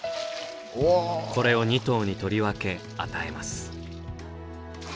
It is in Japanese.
これを２頭に取り分け与えます。